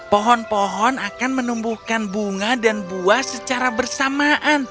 pohon pohon akan menumbuhkan bunga dan buah secara bersamaan